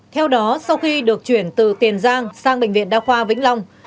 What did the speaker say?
theo đó sau khi được chuyển từ tiền giang sang bệnh viện đa khoa vĩnh long